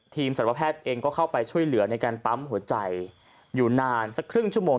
สัตวแพทย์เองก็เข้าไปช่วยเหลือในการปั๊มหัวใจอยู่นานสักครึ่งชั่วโมง